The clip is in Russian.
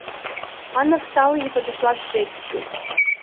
Анна встала и подошла к Бетси.